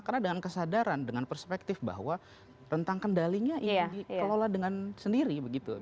karena dengan kesadaran dengan perspektif bahwa rentang kendalinya ini dikelola dengan sendiri begitu